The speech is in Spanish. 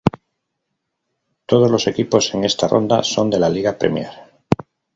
Todos los equipos en esta ronda son de la Liga Premier.